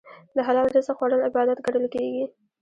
د حلال رزق خوړل عبادت ګڼل کېږي.